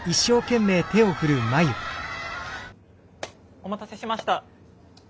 お待たせしました。